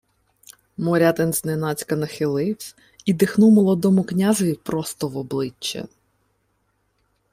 Морятин зненацька нахиливсь і дихнув молодому князеві просто в обличчя: